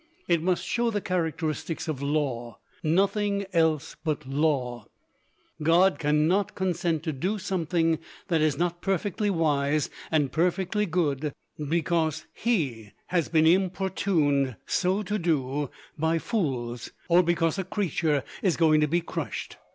It must show the characteristics of law nothing else but law. God can not consent to do something that is not perfectly wise and perfectly good because He has been importuned so to do by fools, or because a creature is going to be crushed.